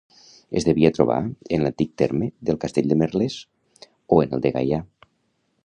Es devia trobar en l'antic terme del castell de Merlès o en el de Gaià.